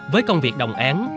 với công việc đồng án